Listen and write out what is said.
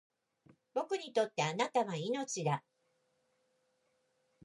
僕にとって貴方は命だ